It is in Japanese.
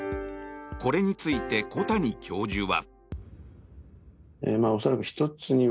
これについて、小谷教授は。